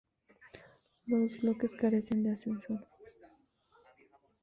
Los bloques carecen de ascensor.